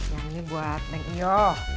yang ini buat neng iyo